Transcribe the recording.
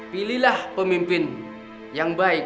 pilihlah pemimpin yang baik